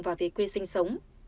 và về quê sinh sống